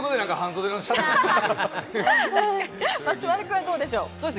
松丸君、どうでしょう？